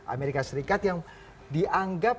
amerika serikat yang dianggap